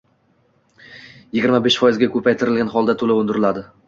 Yigirma besh foizga koʼpaytirilgan holda toʼlov undiriladi.